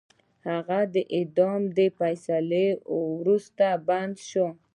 هغه د اعدام د فیصلې وروسته بندي شو.